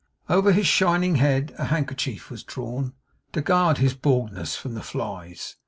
Over his shining head a handkerchief was drawn, to guard his baldness from the flies.